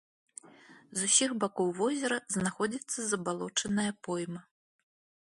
З усіх бакоў возера знаходзіцца забалочаная пойма.